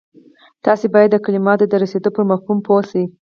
تاسې بايد د کلماتو د رسېدو پر مفهوم پوه شئ.